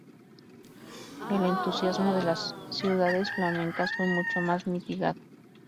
El entusiasmo de las ciudades flamencas fue mucho más mitigado.